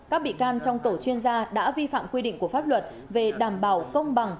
các bị can trong tổ chuyên gia đã vi phạm quy định của pháp luật về đảm bảo công bằng